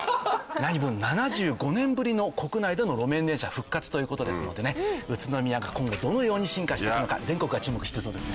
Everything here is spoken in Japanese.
なにぶん７５年ぶりの国内での路面電車復活ということですので宇都宮が今後どのように進化していくのか全国が注目してそうです。